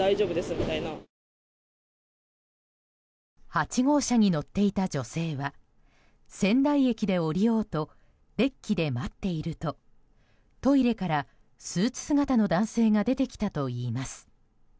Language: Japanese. ８号車に乗っていた女性は仙台駅で降りようとデッキで待っているとトイレからスーツ姿の男性が出てきたといいます。